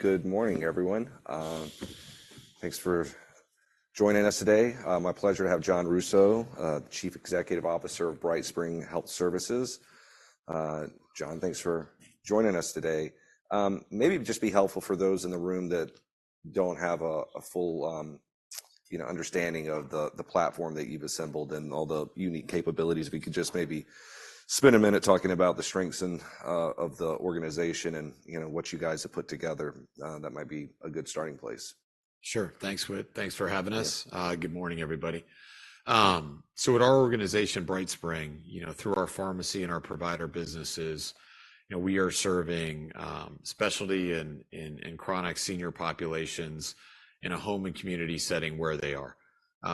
Good morning, everyone. Thanks for joining us today. My pleasure to have Jon Rousseau, the Chief Executive Officer of BrightSpring Health Services. Jon, thanks for joining us today. Maybe it'd just be helpful for those in the room that don't have a full, you know, understanding of the platform that you've assembled and all the unique capabilities, if we could just maybe spend a minute talking about the strengths and of the organization and, you know, what you guys have put together, that might be a good starting place. Sure. Thanks, Whit. Thanks for having us. Yeah. Good morning, everybody. So at our organization, BrightSpring, you know, through our pharmacy and our provider businesses, you know, we are serving specialty and chronic senior populations in a home and community setting where they are.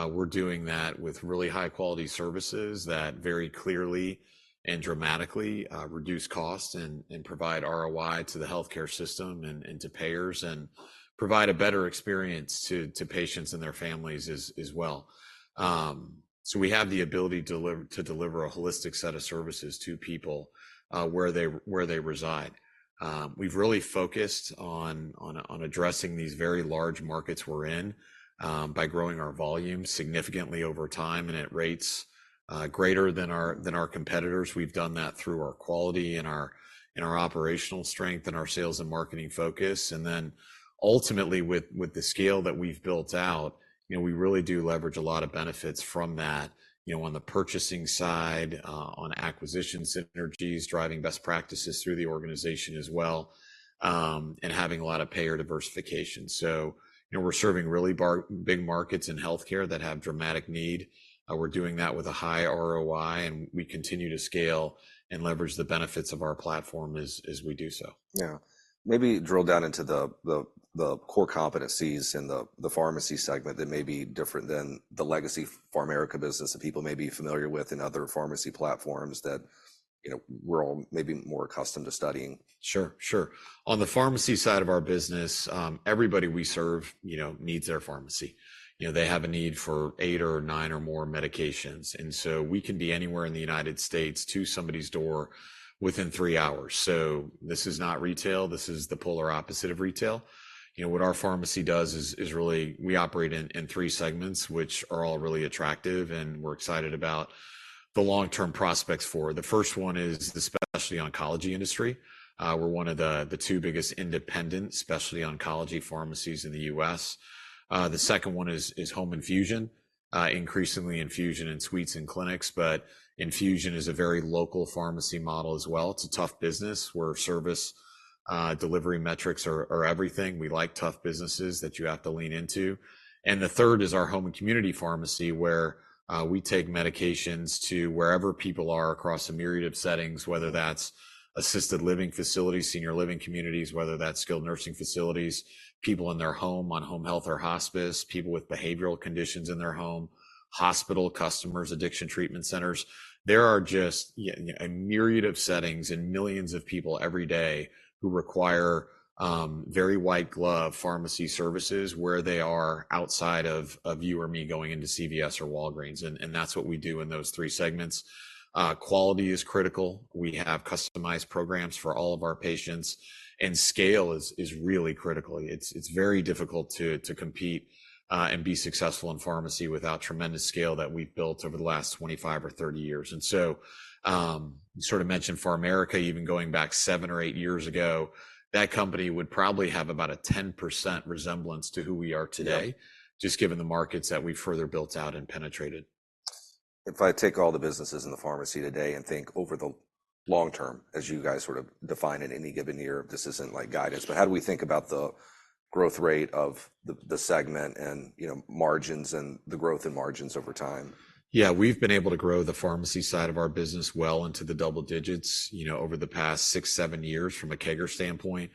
We're doing that with really high-quality services that very clearly and dramatically reduce costs and provide ROI to the healthcare system and to payers, and provide a better experience to patients and their families as well. So we have the ability to deliver a holistic set of services to people where they reside. We've really focused on addressing these very large markets we're in by growing our volume significantly over time and at rates greater than our competitors. We've done that through our quality and our operational strength, and our sales and marketing focus. And then ultimately, with the scale that we've built out, you know, we really do leverage a lot of benefits from that, you know, on the purchasing side, on acquisition synergies, driving best practices through the organization as well, and having a lot of payer diversification. So, you know, we're serving really big markets in healthcare that have dramatic need. We're doing that with a high ROI, and we continue to scale and leverage the benefits of our platform as we do so. Yeah. Maybe drill down into the core competencies in the pharmacy segment that may be different than the legacy PharMerica business that people may be familiar with and other pharmacy platforms that, you know, we're all maybe more accustomed to studying. Sure, sure. On the pharmacy side of our business, everybody we serve, you know, needs their pharmacy. You know, they have a need for eight or nine or more medications, and so we can be anywhere in the United States to somebody's door within three hours. So this is not retail. This is the polar opposite of retail. You know, what our pharmacy does is really we operate in three segments, which are all really attractive, and we're excited about the long-term prospects for. The first one is the specialty oncology industry. We're one of the two biggest independent specialty oncology pharmacies in the U.S. The second one is home infusion, increasingly infusion in suites and clinics, but infusion is a very local pharmacy model as well. It's a tough business where service delivery metrics are everything. We like tough businesses that you have to lean into. The third is our home and community pharmacy, where we take medications to wherever people are across a myriad of settings, whether that's assisted living facilities, senior living communities, whether that's skilled nursing facilities, people in their home on home health or hospice, people with behavioral conditions in their home, hospital customers, addiction treatment centers. There are just a myriad of settings and millions of people every day who require very white-glove pharmacy services where they are outside of you or me going into CVS or Walgreens, and that's what we do in those three segments. Quality is critical. We have customized programs for all of our patients, and scale is really critical. It's very difficult to compete and be successful in pharmacy without tremendous scale that we've built over the last 25 or 30 years. And so, you sort of mentioned PharMerica even going back 7 or 8 years ago, that company would probably have about a 10% resemblance to who we are today- Yeah... just given the markets that we've further built out and penetrated. If I take all the businesses in the pharmacy today and think over the long term, as you guys sort of define in any given year, this isn't like guidance, but how do we think about the growth rate of the segment and, you know, margins and the growth in margins over time? Yeah, we've been able to grow the pharmacy side of our business well into the double digits, you know, over the past 6, 7 years from a CAGR standpoint.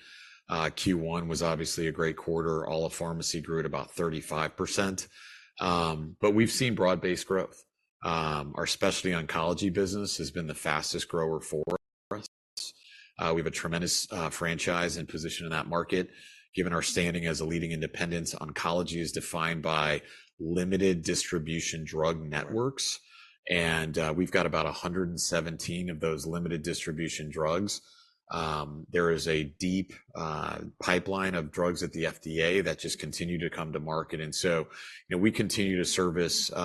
Q1 was obviously a great quarter. All of pharmacy grew at about 35%. But we've seen broad-based growth. Our specialty oncology business has been the fastest grower for us. We have a tremendous franchise and position in that market, given our standing as a leading independent. Oncology is defined by limited distribution drug networks, and we've got about 117 of those limited distribution drugs. There is a deep pipeline of drugs at the FDA that just continue to come to market. And so, you know, we continue to service, you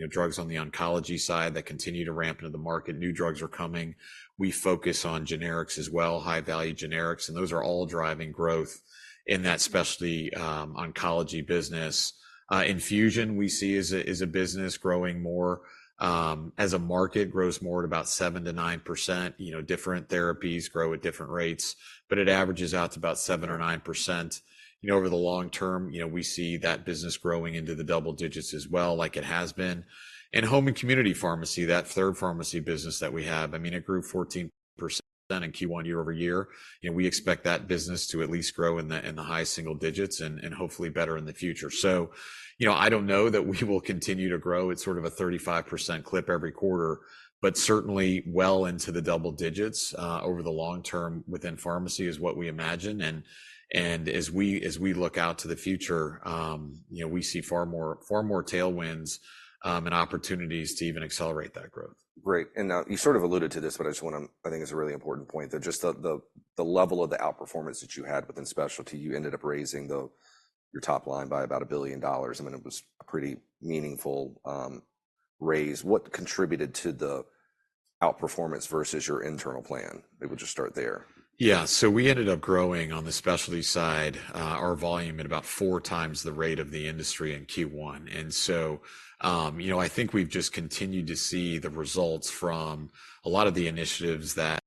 know, drugs on the oncology side that continue to ramp into the market. New drugs are coming. We focus on generics as well, high-value generics, and those are all driving growth in that specialty, oncology business. Infusion we see is a, is a business growing more, as a market, grows more at about 7%-9%. You know, different therapies grow at different rates, but it averages out to about 7% or 9%. You know, over the long term, you know, we see that business growing into the double digits as well, like it has been. And home and community pharmacy, that third pharmacy business that we have, I mean, it grew 14% in Q1 year-over-year, and we expect that business to at least grow in the, in the high single digits and, and hopefully better in the future. So, you know, I don't know that we will continue to grow at sort of a 35% clip every quarter, but certainly, well into the double digits, over the long term within pharmacy is what we imagine. And as we look out to the future, you know, we see far more, far more tailwinds, and opportunities to even accelerate that growth. Great. And now, you sort of alluded to this, but I just wanna... I think it's a really important point, that just the level of the outperformance that you had within specialty, you ended up raising your top line by about $1 billion. I mean, it was a pretty meaningful raise. What contributed to the outperformance versus your internal plan? Maybe we'll just start there. Yeah. So we ended up growing on the specialty side, our volume at about four times the rate of the industry in Q1. And so, you know, I think we've just continued to see the results from a lot of the initiatives that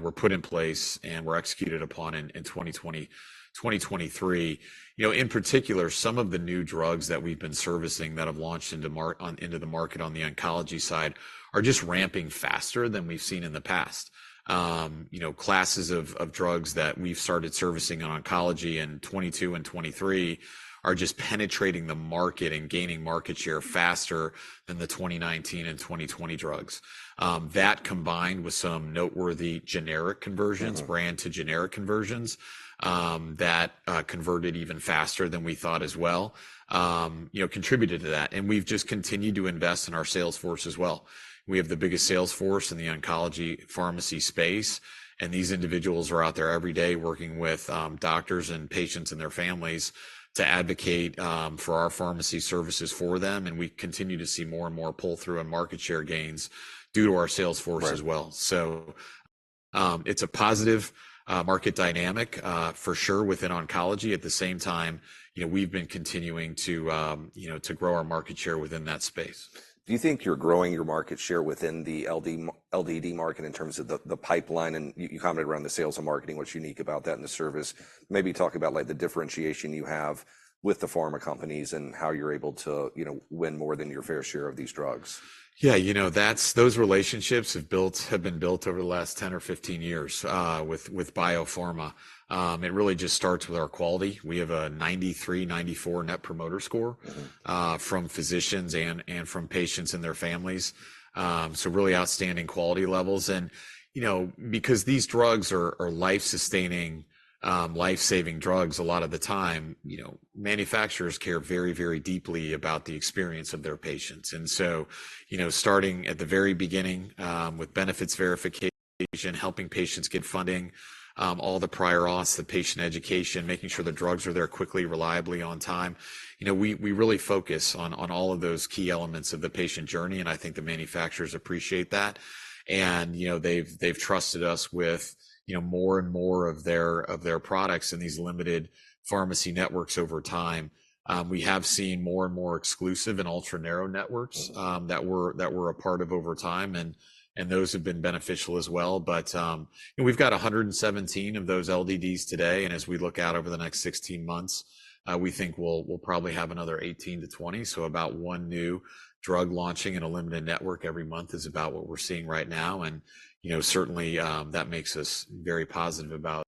were put in place and were executed upon in 2020, 2023. You know, in particular, some of the new drugs that we've been servicing that have launched into the market on the oncology side, are just ramping faster than we've seen in the past. You know, classes of drugs that we've started servicing on oncology in 2022 and 2023, are just penetrating the market and gaining market share faster than the 2019 and 2020 drugs. That, combined with some noteworthy generic conversions- Mm-hmm... brand to generic conversions, that converted even faster than we thought as well, you know, contributed to that. And we've just continued to invest in our sales force as well. We have the biggest sales force in the oncology pharmacy space, and these individuals are out there every day working with doctors, patients, and their families, to advocate for our pharmacy services for them. And we continue to see more and more pull-through and market share gains due to our sales force as well. Right. It's a positive market dynamic, for sure, within oncology. At the same time, you know, we've been continuing to, you know, to grow our market share within that space. Do you think you're growing your market share within the LDD market in terms of the pipeline? And you commented around the sales and marketing, what's unique about that and the service. Maybe talk about, like, the differentiation you have with the pharma companies, and how you're able to, you know, win more than your fair share of these drugs. Yeah, you know, that's—those relationships have built, have been built over the last 10 or 15 years, with bio-pharma. It really just starts with our quality. We have a 93-94 Net Promoter Score- Mm-hmm... from physicians and, and from patients and their families. So really outstanding quality levels. And, you know, because these drugs are, are life-sustaining, life-saving drugs, a lot of the time, you know, manufacturers care very, very deeply about the experience of their patients. And so, you know, starting at the very beginning, with benefits verification, helping patients get funding, all the prior auths, the patient education, making sure the drugs are there quickly, reliably on time. You know, we, we really focus on, on all of those key elements of the patient journey, and I think the manufacturers appreciate that. And, you know, they've, they've trusted us with, you know, more and more of their, of their products in these limited pharmacy networks over time. We have seen more and more exclusive and ultra-narrow networks- Mm-hmm... that we're, that we're a part of over time, and, and those have been beneficial as well. But, and we've got 117 of those LDDs today, and as we look out over the next 16 months, we think we'll, we'll probably have another 18-20. So about one new drug launching in a limited network every month is about what we're seeing right now. And, you know, certainly, that makes us very positive about,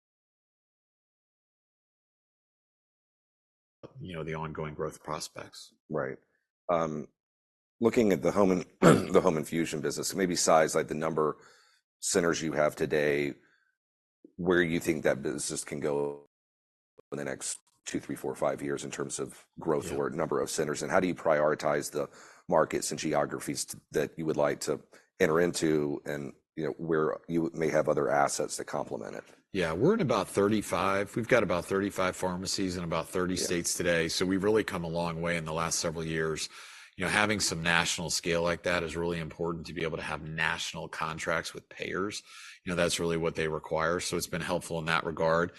you know, the ongoing growth prospects. Right. Looking at the home infusion business, maybe size, like the number centers you have today, where you think that business can go in the next two, three, four, five years in terms of growth- Yeah... or number of centers, and how do you prioritize the markets and geographies that you would like to enter into, and, you know, where you may have other assets to complement it? Yeah. We're at about 35. We've got about 35 pharmacies in about 30 states today. Yeah. So we've really come a long way in the last several years. You know, having some national scale like that is really important to be able to have national contracts with payers. You know, that's really what they require, so it's been helpful in that regard.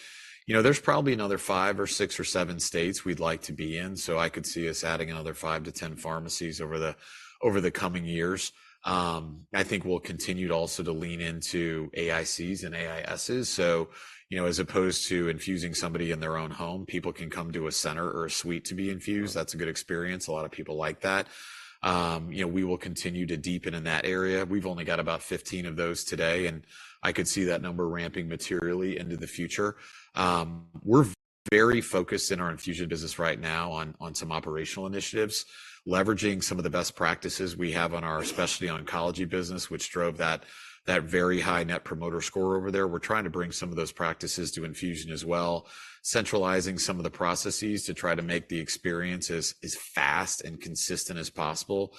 You know, there's probably another 5, or 6, or 7 states we'd like to be in, so I could see us adding another 5 to 10 pharmacies over the coming years. I think we'll continue to also to lean into AICs and AISs. So, you know, as opposed to infusing somebody in their own home, people can come to a center or a suite to be infused. Right. That's a good experience. A lot of people like that. You know, we will continue to deepen in that area. We've only got about 15 of those today, and I could see that number ramping materially into the future. We're very focused in our infusion business right now on some operational initiatives, leveraging some of the best practices we have on our specialty oncology business, which drove that very high Net Promoter Score over there. We're trying to bring some of those practices to infusion as well, centralizing some of the processes to try to make the experience as fast and consistent as possible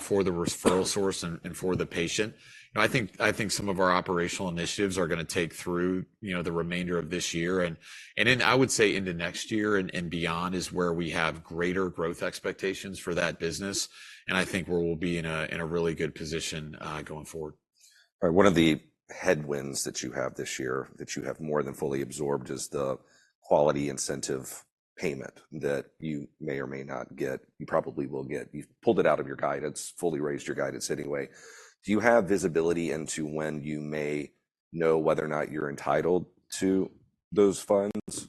for the referral source and for the patient. You know, I think some of our operational initiatives are gonna take through the remainder of this year. And then, I would say into next year and beyond is where we have greater growth expectations for that business, and I think we'll be in a really good position going forward. Right. One of the headwinds that you have this year, that you have more than fully absorbed, is the quality incentive payment that you may or may not get, you probably will get. You've pulled it out of your guidance, fully raised your guidance anyway. Do you have visibility into when you may know whether or not you're entitled to those funds?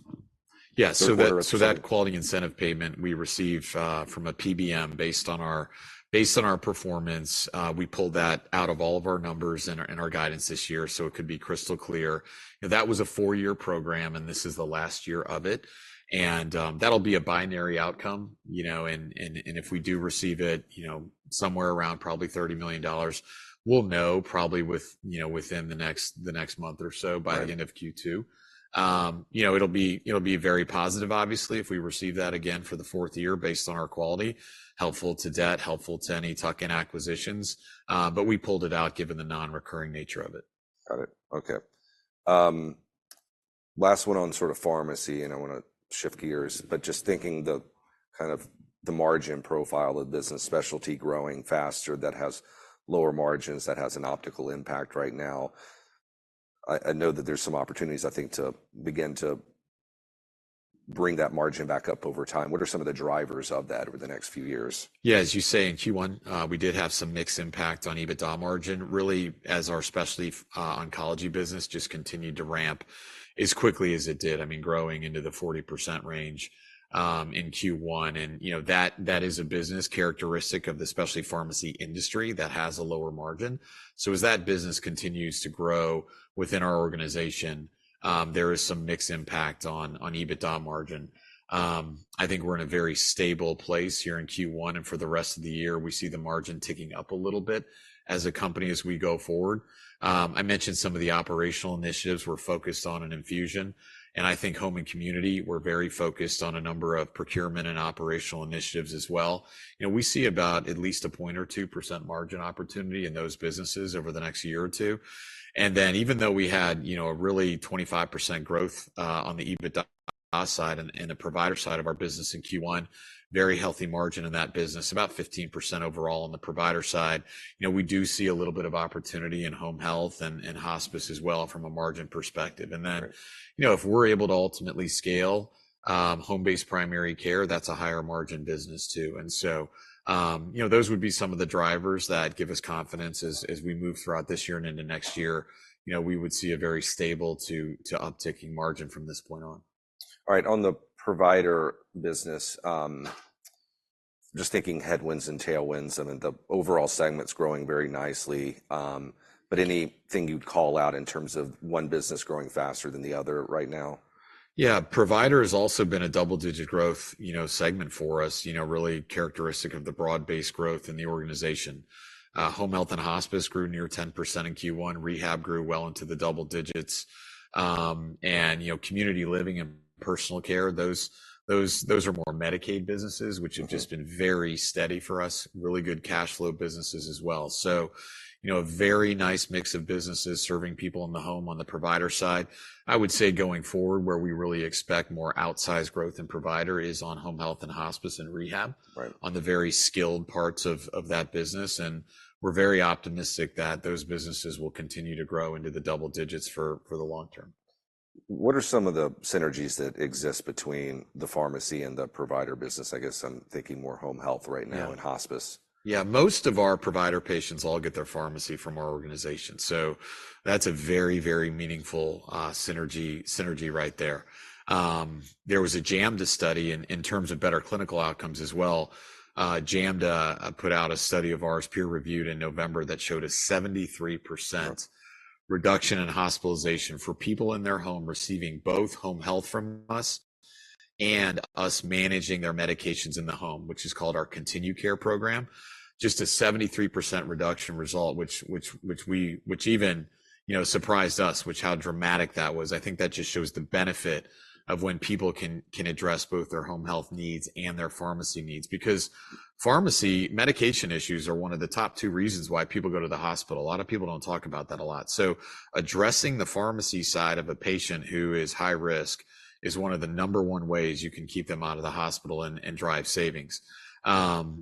Yeah. Or whether it's- So that quality incentive payment we received from a PBM based on our performance. We pulled that out of all of our numbers in our guidance this year, so it could be crystal clear. That was a four-year program, and this is the last year of it. And that'll be a binary outcome, you know, and if we do receive it, you know, somewhere around probably $30 million, we'll know probably within the next month or so- Right By the end of Q2. You know, it'll be, it'll be very positive, obviously, if we receive that again for the fourth year based on our quality. Helpful to debt, helpful to any tuck-in acquisitions, but we pulled it out, given the non-recurring nature of it. Got it. Okay. Last one on sort of pharmacy, and I want to shift gears, but just thinking the, kind of the margin profile of business specialty growing faster, that has lower margins, that has an optical impact right now. I, I know that there's some opportunities, I think, to begin to bring that margin back up over time. What are some of the drivers of that over the next few years? Yeah, as you say, in Q1, we did have some mixed impact on EBITDA margin, really, as our specialty oncology business just continued to ramp as quickly as it did. I mean, growing into the 40% range in Q1. And, you know, that is a business characteristic of the specialty pharmacy industry that has a lower margin. So as that business continues to grow within our organization, there is some mixed impact on EBITDA margin. I think we're in a very stable place here in Q1, and for the rest of the year, we see the margin ticking up a little bit as a company as we go forward. I mentioned some of the operational initiatives we're focused on in Infusion, and I think home and community, we're very focused on a number of procurement and operational initiatives as well. You know, we see about at least 1%-2% margin opportunity in those businesses over the next year or two. Then, even though we had, you know, a really 25% growth on the EBITDA side and the provider side of our business in Q1, very healthy margin in that business, about 15% overall on the provider side. You know, we do see a little bit of opportunity in home health and hospice as well from a margin perspective. Right. And then, you know, if we're able to ultimately scale, home-based primary care, that's a higher margin business, too. And so, you know, those would be some of the drivers that give us confidence as we move throughout this year and into next year. You know, we would see a very stable to upticking margin from this point on. All right, on the provider business, just thinking headwinds and tailwinds, I mean, the overall segment's growing very nicely, but anything you'd call out in terms of one business growing faster than the other right now? Yeah, provider has also been a double-digit growth, you know, segment for us. You know, really characteristic of the broad-based growth in the organization. Home Health and Hospice grew near 10% in Q1. Rehab grew well into the double digits. And, you know, community living and personal care, those are more Medicaid businesses- Mm-hmm Which have just been very steady for us. Really good cash flow businesses as well. So, you know, a very nice mix of businesses serving people in the home on the provider side. I would say going forward, where we really expect more outsized growth in provider is on home health and hospice and rehab- Right On the very skilled parts of that business, and we're very optimistic that those businesses will continue to grow into the double digits for the long term. What are some of the synergies that exist between the pharmacy and the provider business? I guess I'm thinking more home health right now- Yeah And hospice. Yeah, most of our provider patients all get their pharmacy from our organization, so that's a very, very meaningful, synergy, synergy right there. There was a JAMDA study in terms of better clinical outcomes as well. JAMDA put out a study of ours, peer-reviewed in November, that showed a 73%- Wow Reduction in hospitalization for people in their home receiving both home health from us and us managing their medications in the home, which is called our Continue Care program. Just a 73% reduction result, which even you know surprised us with how dramatic that was. I think that just shows the benefit of when people can address both their home health needs and their pharmacy needs. Because pharmacy, medication issues are one of the top two reasons why people go to the hospital. A lot of people don't talk about that a lot. So addressing the pharmacy side of a patient who is high risk is one of the number one ways you can keep them out of the hospital and drive savings. You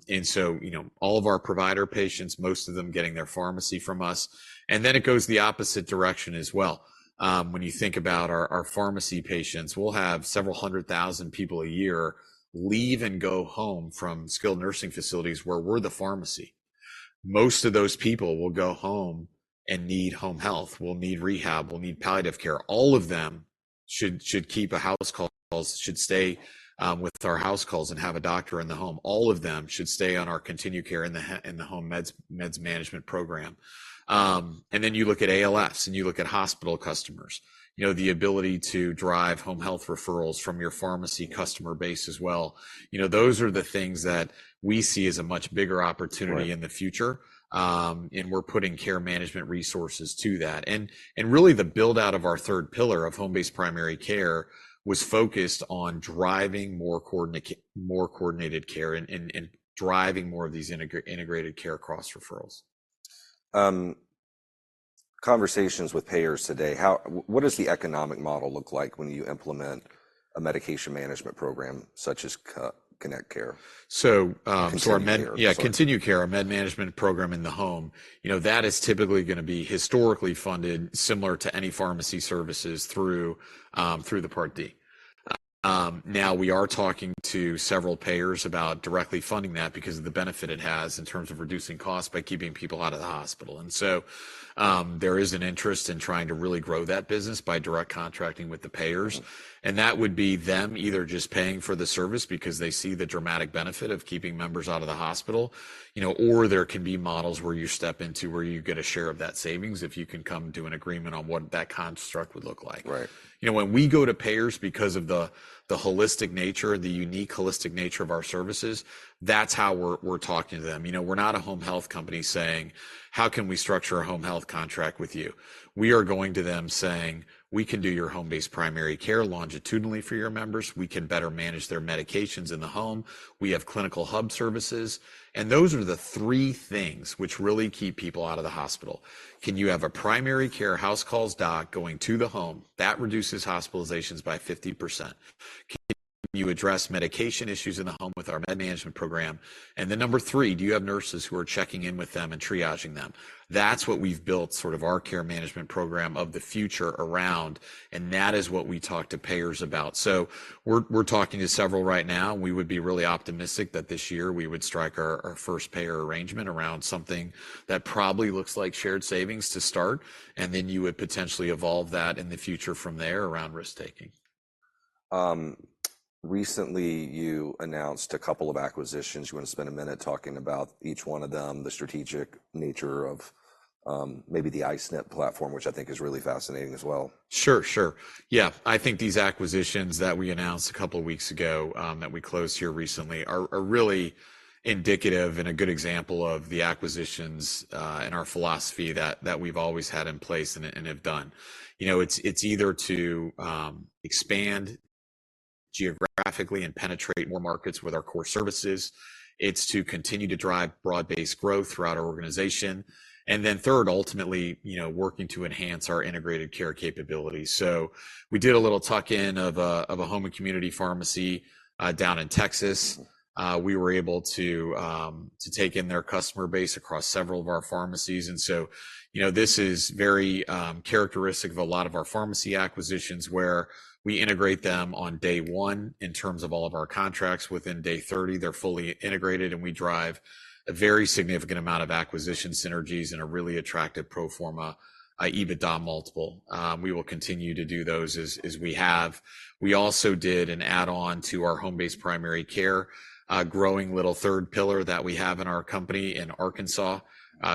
know, all of our provider patients, most of them getting their pharmacy from us, and then it goes the opposite direction as well. When you think about our pharmacy patients, we'll have several hundred thousand people a year leave and go home from skilled nursing facilities where we're the pharmacy. Most of those people will go home and need home health, will need rehab, will need palliative care. All of them should keep a house calls, should stay with our house calls and have a doctor in the home. All of them should stay on our Continue Care in the Home Meds Management program. And then you look at ALS, and you look at hospital customers. You know, the ability to drive home health referrals from your pharmacy customer base as well, you know, those are the things that we see as a much bigger opportunity- Right In the future. And we're putting care management resources to that. And really, the build-out of our third pillar of home-based primary care was focused on driving more coordinated care and driving more of these integrated care cross-referrals. Conversations with payers today, what does the economic model look like when you implement a medication management program such as Continue Care? So, med- Continue Care Yeah, Continue Care, our med management program in the home. You know, that is typically gonna be historically funded, similar to any pharmacy services through the Part D. Now, we are talking to several payers about directly funding that because of the benefit it has in terms of reducing costs by keeping people out of the hospital. And so, there is an interest in trying to really grow that business by direct contracting with the payers. Mm-hmm. That would be them either just paying for the service because they see the dramatic benefit of keeping members out of the hospital, you know, or there can be models where you step into where you get a share of that savings, if you can come to an agreement on what that construct would look like. Right. You know, when we go to payers because of the holistic nature, the unique holistic nature of our services, that's how we're talking to them. You know, we're not a home health company saying: "How can we structure a home health contract with you?" We are going to them saying: "We can do your home-based primary care longitudinally for your members. We can better manage their medications in the home. We have clinical hub services." And those are the three things which really keep people out of the hospital. Can you have a primary care house calls doc going to the home? That reduces hospitalizations by 50%. Can you address medication issues in the home with our med management program? And then number three, do you have nurses who are checking in with them and triaging them? That's what we've built, sort of our care management program of the future around, and that is what we talk to payers about. So we're talking to several right now. We would be really optimistic that this year we would strike our first payer arrangement around something that probably looks like shared savings to start, and then you would potentially evolve that in the future from there around risk-taking. Recently you announced a couple of acquisitions. You want to spend a minute talking about each one of them, the strategic nature of, maybe the I-SNP platform, which I think is really fascinating as well? Sure, sure. Yeah, I think these acquisitions that we announced a couple of weeks ago that we closed here recently are really indicative and a good example of the acquisitions and our philosophy that we've always had in place and have done. You know, it's either to expand geographically and penetrate more markets with our core services, it's to continue to drive broad-based growth throughout our organization, and then third, ultimately, you know, working to enhance our integrated care capabilities. So we did a little tuck-in of a home and community pharmacy down in Texas. We were able to take in their customer base across several of our pharmacies. And so, you know, this is very characteristic of a lot of our pharmacy acquisitions, where we integrate them on day one in terms of all of our contracts. Within day 30, they're fully integrated, and we drive a very significant amount of acquisition synergies and a really attractive pro forma EBITDA multiple. We will continue to do those as we have. We also did an add-on to our home-based primary care, a growing little third pillar that we have in our company in Arkansas.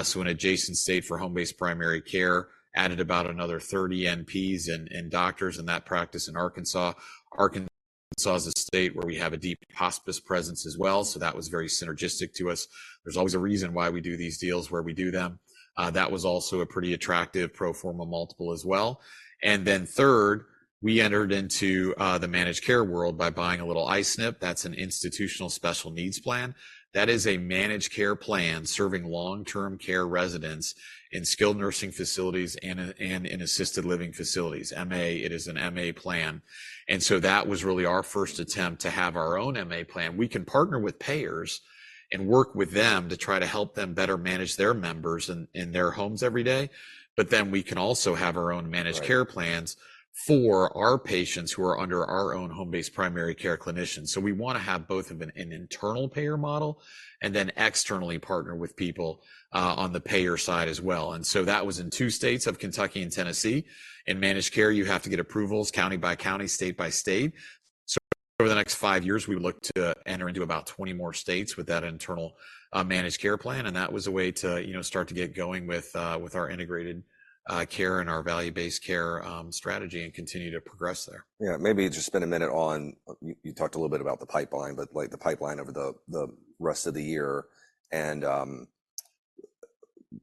So an adjacent state for home-based primary care, added about another 30 NPs and doctors in that practice in Arkansas. Arkansas is a state where we have a deep hospice presence as well, so that was very synergistic to us. There's always a reason why we do these deals, where we do them. That was also a pretty attractive pro forma multiple as well. And then third, we entered into the managed care world by buying a little I-SNP. That's an institutional special needs plan. That is a managed care plan serving long-term care residents in skilled nursing facilities and in assisted living facilities. MA, it is an MA plan, and so that was really our first attempt to have our own MA plan. We can partner with payers and work with them to try to help them better manage their members in their homes every day, but then we can also have our own managed care plans- Right For our patients who are under our own home-based primary care clinicians. So we wanna have both an internal payer model and then externally partner with people on the payer side as well. And so that was in two states of Kentucky and Tennessee. In managed care, you have to get approvals county by county, state by state. So over the next five years, we look to enter into about 20 more states with that internal managed care plan, and that was a way to, you know, start to get going with our integrated care and our value-based care strategy, and continue to progress there. Yeah. Maybe just spend a minute on. You talked a little bit about the pipeline, but, like, the pipeline over the rest of the year and,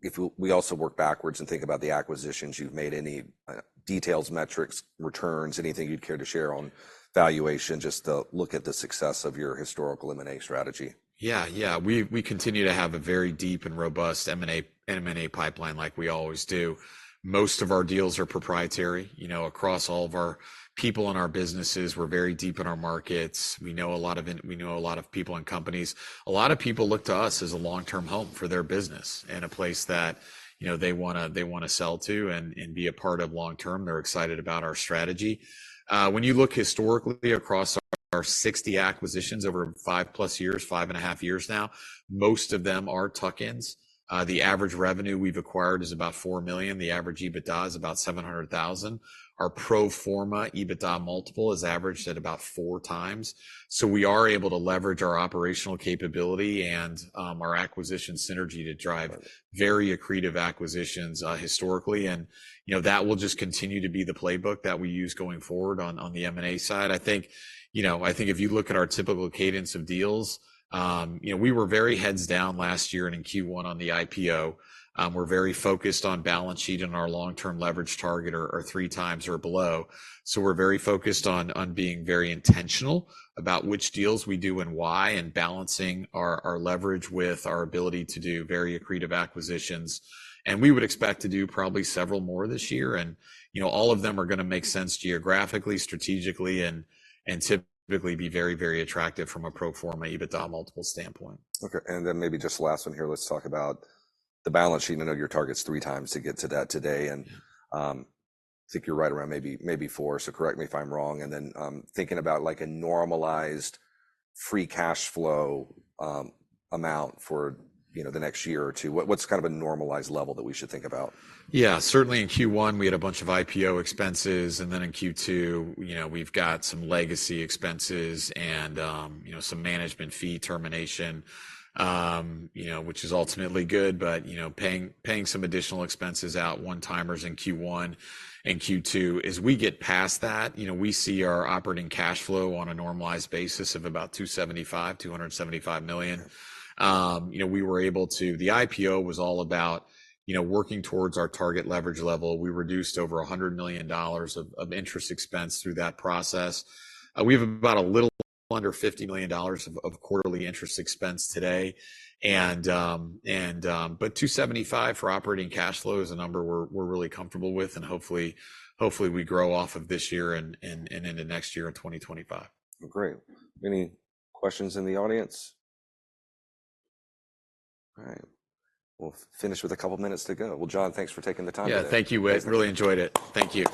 if we also work backwards and think about the acquisitions you've made, any details, metrics, returns, anything you'd care to share on valuation, just to look at the success of your historical M&A strategy. Yeah, yeah. We continue to have a very deep and robust M&A pipeline, like we always do. Most of our deals are proprietary, you know, across all of our people and our businesses. We're very deep in our markets. We know a lot of people and companies. A lot of people look to us as a long-term home for their business and a place that, you know, they wanna sell to and be a part of long term. They're excited about our strategy. When you look historically across our 60 acquisitions over 5+ years, 5.5 years now, most of them are tuck-ins. The average revenue we've acquired is about $4 million. The average EBITDA is about $700,000. Our pro forma EBITDA multiple is averaged at about 4x. So we are able to leverage our operational capability and our acquisition synergy to drive- Right Very accretive acquisitions, historically. And, you know, that will just continue to be the playbook that we use going forward on, on the M&A side. I think, you know, I think if you look at our typical cadence of deals, you know, we were very heads down last year and in Q1 on the IPO. We're very focused on balance sheet and our long-term leverage target or, or 3x or below. So we're very focused on, on being very intentional about which deals we do and why, and balancing our, our leverage with our ability to do very accretive acquisitions. And we would expect to do probably several more this year. And, you know, all of them are gonna make sense geographically, strategically, and, and typically be very, very attractive from a pro forma EBITDA multiple standpoint. Okay, and then maybe just last one here, let's talk about the balance sheet. I know your target's 3 times to get to that today, and, I think you're right around maybe, maybe 4, so correct me if I'm wrong. And then, thinking about, like, a normalized free cash flow, amount for, you know, the next year or two, what, what's kind of a normalized level that we should think about? Yeah. Certainly in Q1, we had a bunch of IPO expenses, and then in Q2, you know, we've got some legacy expenses and, you know, some management fee termination, you know, which is ultimately good, but, you know, paying some additional expenses out, one-timers in Q1 and Q2. As we get past that, you know, we see our operating cash flow on a normalized basis of about $275 million. You know, we were able to. The IPO was all about, you know, working towards our target leverage level. We reduced over $100 million of interest expense through that process. We have about a little under $50 million of quarterly interest expense today, and, and... But $275 for operating cash flow is a number we're really comfortable with, and hopefully, we grow off of this year and into next year in 2025. Great. Any questions in the audience? All right, we'll finish with a couple minutes to go. Well, John, thanks for taking the time today. Yeah, thank you, Whit. Thanks. Really enjoyed it. Thank you.